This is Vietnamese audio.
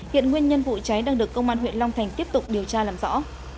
hiện nguyên nhân vụ cháy đang được công an huyện long thành tiếp tục điều tra làm rõ